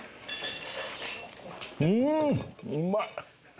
うんうまい。